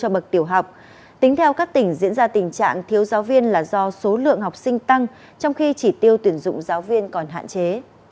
bậc tiểu học tính theo các tỉnh diễn ra tình trạng thiếu giáo viên là do số lượng học sinh tăng trong khi chỉ tiêu tuyển dụng giáo viên còn hạn chế